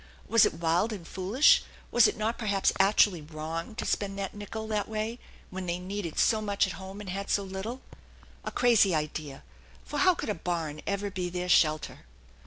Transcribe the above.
Was it wild and foolish, was it not perhaps actually wrong, to spend that nickel that way when they needed so much at home, and had so little? A crazy idea, for how could a barn ever be their shelter?